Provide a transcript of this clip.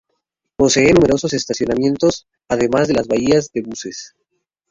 Posee numerosos estacionamientos además de las bahías de buses.